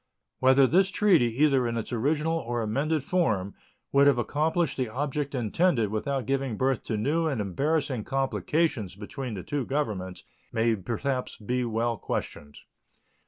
Whether this treaty, either in its original or amended form, would have accomplished the object intended without giving birth to new and embarrassing complications between the two Governments, may perhaps be well questioned.